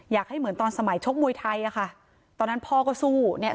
อยากให้เหมือนตอนสมัยชกมวยไทยอ่ะค่ะตอนนั้นพ่อก็สู้เนี่ย